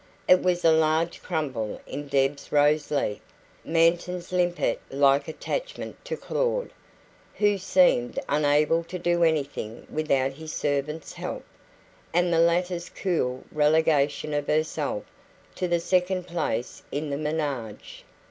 It was a large crumple in Deb's rose leaf, Manton's limpet like attachment to Claud, who seemed unable to do anything without his servant's help, and the latter's cool relegation of herself to the second place in the MENAGE.